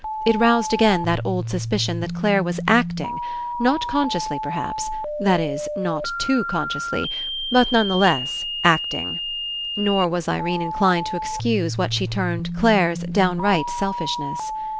It roused again that old suspicion that Clare was acting, not consciously, perhaps — that is, not too consciously — but, none the less, acting. Nor was Irene inclined to excuse what she termed Clare's downright selfishness.